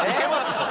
それ。